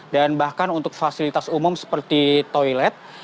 dan bahkan untuk fasilitas umum seperti toilet